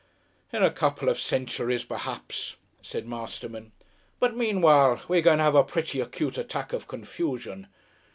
"In a couple of centuries perhaps," said Masterman. "But meanwhile we're going to have a pretty acute attack of confusion.